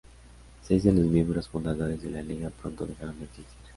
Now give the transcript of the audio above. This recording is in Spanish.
Seis de los miembros fundadores de la liga pronto dejaron de existir.